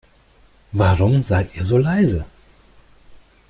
Warum seid ihr so leise?